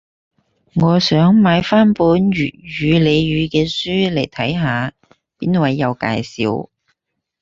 我想買返本粵語俚語嘅書嚟睇下，邊位有介紹